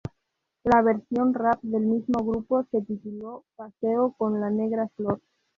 La versión rap, del mismo grupo, se tituló "Paseo con la negra flor".